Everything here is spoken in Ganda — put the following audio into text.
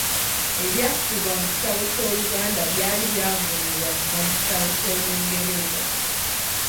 Ebyassibwa mu kitabo ky'Oluganda byali byavvuunulwa kuva mu kitabo ky'Olungereza.